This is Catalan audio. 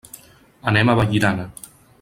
Anem a Vallirana.